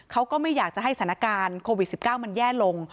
เขาก็ไม่อยากจะให้สถานการณ์โควิด๑๙มันแย่ลง